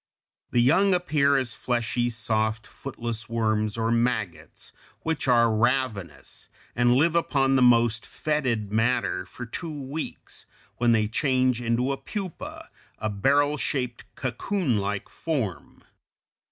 The young appear as fleshy, soft, footless worms or maggots, which are ravenous, and live upon the most fœtid matter for two weeks, when they change into a pupa, a barrel shaped, cocoonlike form.